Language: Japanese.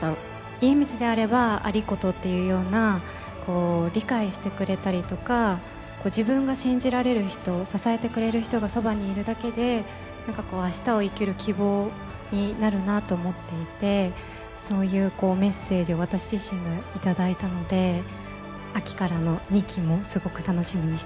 家光であれば有功っていうような理解してくれたりとか自分が信じられる人支えてくれる人がそばにいるだけで明日を生きる希望になるなと思っていてそういうメッセージを私自身が頂いたので秋からの２期もすごく楽しみにしております。